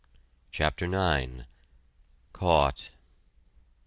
CHAPTER IX CAUGHT!